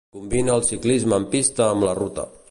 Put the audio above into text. Combina el ciclisme en pista amb la ruta.